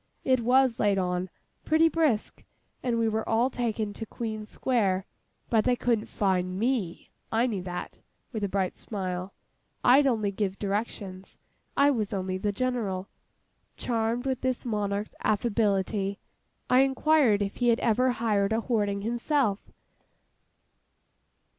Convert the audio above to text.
It was laid on—pretty brisk—and we were all taken to Queen Square: but they couldn't fine me. I knew that,'—with a bright smile—'I'd only give directions—I was only the General.' Charmed with this monarch's affability, I inquired if he had ever hired a hoarding himself.